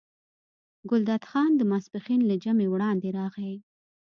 ګلداد خان د ماسپښین له جمعې وړاندې راغی.